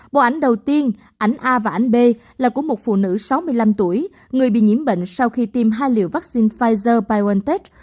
bộ ảnh đầu tiên ảnh a và ảnh b là của một phụ nữ sáu mươi năm tuổi người bị nhiễm bệnh sau khi tiêm hai liều vaccine pfizer biontech